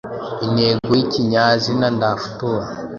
Intego y’ikinyazina ndafutura